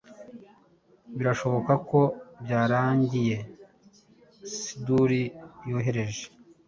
birashoboka ko byarangiye Siduri yohereje